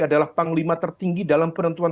adalah panglima tertinggi dalam penentuan